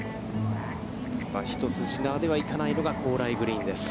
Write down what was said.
一筋縄ではいかないのが高麗グリーンです。